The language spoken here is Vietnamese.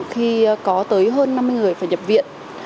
khi có tới hơn năm mươi người phải nhập viện